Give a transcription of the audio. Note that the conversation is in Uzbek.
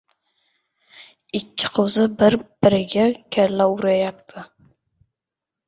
Ikki qo‘zi bir-biriga kalla uryapti.